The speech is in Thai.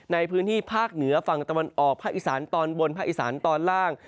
ในพื้นที่ภาคเหนือฝั่งตะวันออกภาคอีสานตอนบนภาคอีสานตอนล่าง